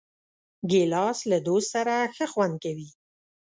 ګیلاس له دوست سره ښه خوند کوي.